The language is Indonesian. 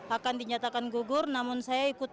akan dinyatakan gugur namun saya ikut